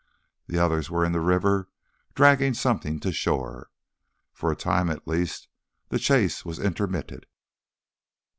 The others were in the river dragging something to shore. For a time at least the chase was intermitted.